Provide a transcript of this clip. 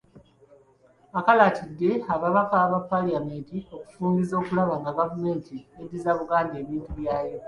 Akalaatidde ababaka ba Paalamenti okufungiza okulaba nga gavumenti eddiza Buganda ebintu byayo.